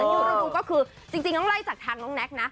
ใส่รู้รู้รู้ก็คือจริงจริงต้องไล่จากทางน้องแน็กนะ